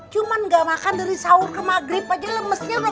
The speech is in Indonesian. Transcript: cuma nggak makan dari sahur ke maghrib aja lemesnya belum